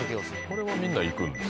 これはみんな行くんです。